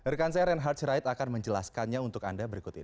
rekan saya reinhard sirait akan menjelaskannya untuk anda berikut ini